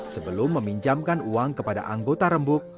sebelum meminjamkan uang kepada anggota rembuk